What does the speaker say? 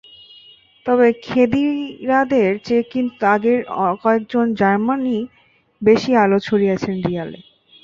তবে খেদিরাদের চেয়ে কিন্তু আগের কয়েকজন জার্মানই বেশি আলো ছড়িয়েছেন রিয়ালে।